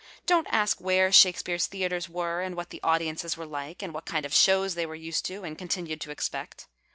Dont ask where Shakespeare's theatres were and what the audiences were Hkc and what kind of shows they were used to and continued to expect.